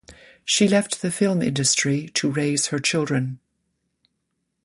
She left the film industry to raise her children.